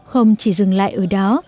không chỉ dừng lại ở đó